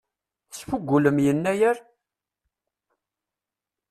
Tesfugulem Yennayer?